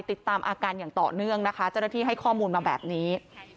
ติดตามอาการอย่างต่อเนื่องนะคะเจ้าหน้าที่ให้ข้อมูลมาแบบนี้